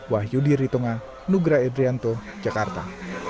wahyudi ritonga nugra edrianto jakarta